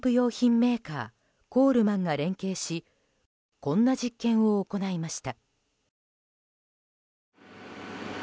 メーカーコールマンが連携しこんな実験を行いました。